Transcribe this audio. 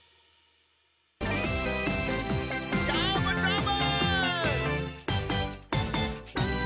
どーもどーも！